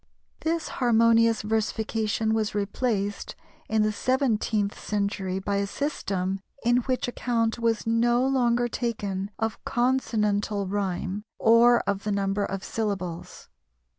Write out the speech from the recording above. This harmonious versification was replaced in the seventeenth century by a system in which account was no longer taken of consonantal rhyme or of the number of syllables.